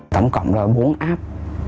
tổng cộng là bốn app